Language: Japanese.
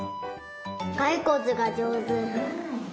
がいこつがじょうず。